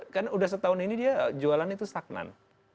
karena sudah setahun ini dia jualan itu stagnan